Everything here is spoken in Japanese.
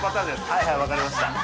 はいはい分かりました」